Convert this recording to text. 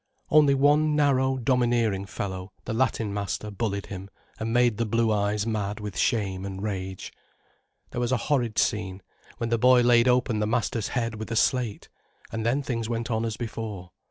Only one narrow, domineering fellow, the Latin master, bullied him and made the blue eyes mad with shame and rage. There was a horrid scene, when the boy laid open the master's head with a slate, and then things went on as before.